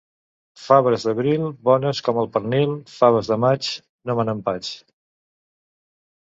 Faves d'abril, bones com el pernil; faves de maig, no me n'empatx.